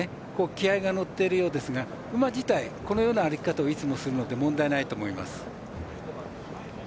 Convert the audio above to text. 気合いが乗っているようですが馬自体、このような歩き方をいつもするので問題ないと思います。